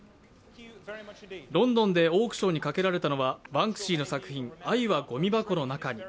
ロンドンでオークションにかけられたのはバンクシーの作品「愛はごみ箱の中に」。